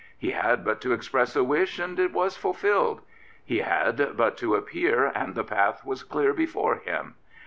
He had but to express a wish and it was fulfilled. He had but to appear and the path was clear before him.